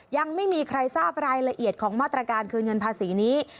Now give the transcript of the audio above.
ยังไม่มีใครทราบรายละเอียดของมาตรการคืนเงินภาษีนี้